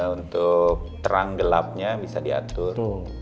untuk terang gelapnya bisa diatur